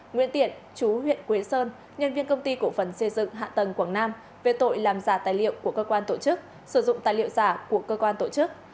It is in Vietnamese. nguyễn tiện chú huyện quế sơn nhân viên công ty cổ phần xây dựng hạ tầng quảng nam về tội làm giả tài liệu của cơ quan tổ chức sử dụng tài liệu giả của cơ quan tổ chức